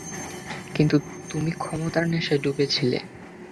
কিন্তু তুমি ক্ষমতার নেশায় ডুবে ছিলে।